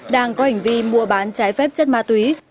đang có hành vi mua bán trái phép chất ma túy